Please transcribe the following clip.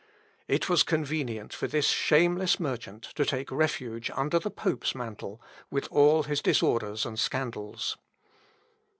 It was convenient for this shameless merchant to take refuge under the pope's mantle, with all his disorders and scandals.